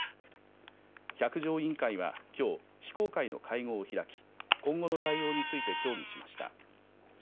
百条委員会はきょう非公開の会合を開き今後の対応について協議しました。